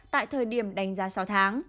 tại thời điểm đánh giá sáu tháng